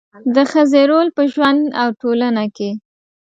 د ښځې رول په ژوند او ټولنه کې